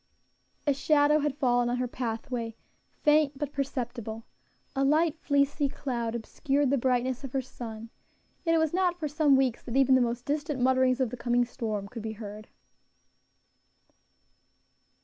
A shadow had fallen on her pathway, faint, but perceptible; a light, fleecy cloud obscured the brightness of her sun; yet it was not for some weeks that even the most distant mutterings of the coming storm could be heard.